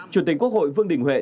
chủ tịch quốc hội vương đình huệ